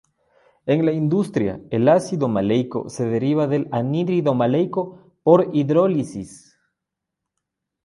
En la industria, el ácido maleico se deriva del anhídrido maleico por hidrólisis.